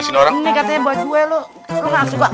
satu setengah mesa